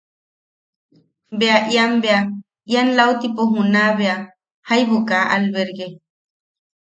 Bea ian bea... ian lautipo juna bea... jaibu kaa alberge.